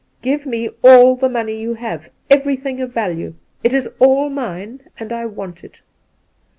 " Give me all the money you have — every thing of value. It is all mine, and I want it."